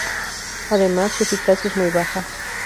Además, su eficiencia es muy baja.